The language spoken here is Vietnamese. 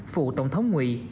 phụ tổng thống nguy